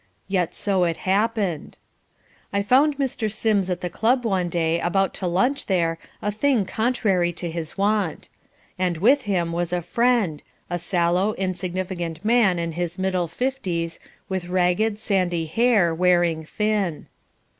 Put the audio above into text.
Yet so it happened. I found Mr. Sims at the club one day, about to lunch there, a thing contrary to his wont. And with him was a friend, a sallow, insignificant man in the middle fifties, with ragged, sandy hair, wearing thin.